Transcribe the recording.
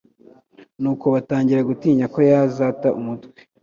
nuko batangira gutinya ko yazata umutwe'.